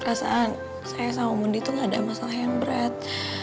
perasaan saya sama mondi itu gak ada masalah yang berat